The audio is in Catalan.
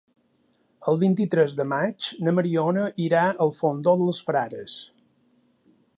El vint-i-tres de maig na Mariona irà al Fondó dels Frares.